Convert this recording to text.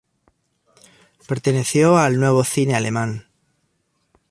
Perteneció al Nuevo cine alemán.